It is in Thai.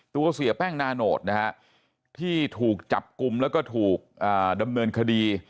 เสียแป้งนาโนตนะฮะที่ถูกจับกลุ่มแล้วก็ถูกดำเนินคดี